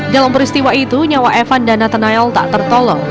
dalam peristiwa itu nyawa evan dan natanael tak tertolong